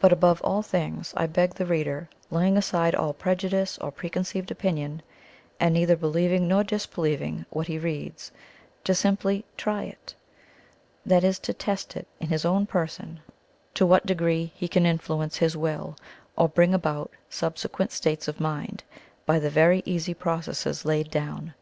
But, above all things, I beg the reader, laying aside all prejudice or preconceived opinion, and neither believing nor disbelieving what he reads, to simply try it that is to test it in his own person to what degree he can influence his will, or bring about subsequent states of mind, by the very easy processes laid down.